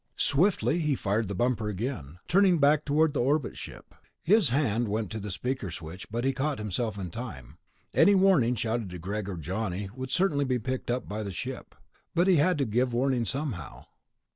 Swiftly he fired the bumper again, turning back toward the orbit ship. His hand went to the speaker switch, but he caught himself in time. Any warning shouted to Greg and Johnny would certainly be picked up by the ship. But he had to give warning somehow.